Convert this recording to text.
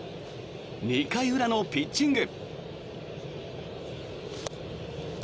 ２回裏のピッチング。